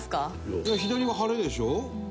いや左は晴れでしょ？